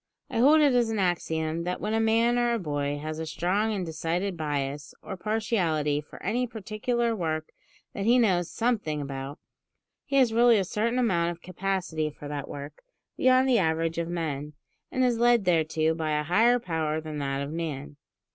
I hold it as an axiom that when a man or a boy has a strong and decided bias or partiality for any particular work that he knows something about, he has really a certain amount of capacity for that work beyond the average of men, and is led thereto by a higher power than that of man.